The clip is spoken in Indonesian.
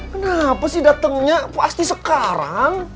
kenapa sih datangnya pasti sekarang